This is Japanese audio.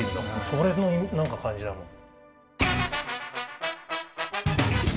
それの何か感じだもん。